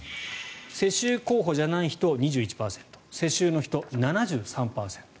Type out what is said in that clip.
世襲候補じゃない人、２１％世襲の人、７３％。